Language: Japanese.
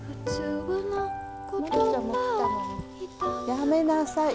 やめなさい。